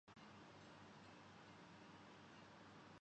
پی S L three میں Luke Ronchi tournament کے بہترین کھلاڑی قرار